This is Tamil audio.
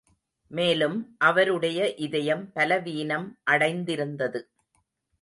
மேலும் அவருடைய இருதயம் பலவீனம் அடைந்திருந்தது.